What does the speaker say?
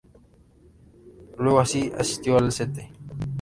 Luego asistió al St.